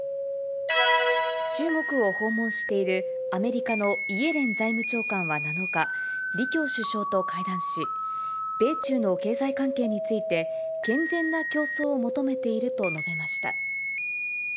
中国を訪問しているアメリカのイエレン財務長官は７日、李強首相と会談し、米中の経済関係について、健全な競争を求めていると述べました。